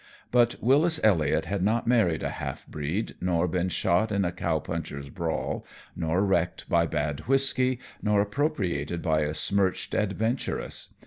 But Wyllis Elliot had not married a half breed, nor been shot in a cow punchers' brawl, nor wrecked by bad whisky, nor appropriated by a smirched adventuress.